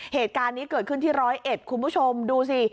เหตุการณ์นี้เกิดขึ้นที่ร้อยเอ็ดคุณผู้ชมดูสิ